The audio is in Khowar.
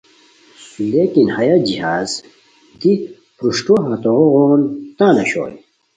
لیکن ہیہ جہاز دی پروشٹو ہتوغون تان اوشوئے